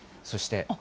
そして。